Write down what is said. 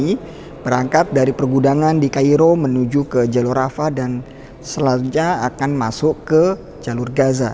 ini berangkat dari pergudangan di cairo menuju ke jalur afa dan selanjutnya akan masuk ke jalur gaza